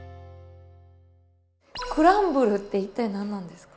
クランブルって一体何ですか？